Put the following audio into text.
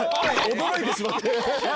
驚いてしまって。